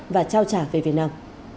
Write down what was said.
và trao trả về việt nam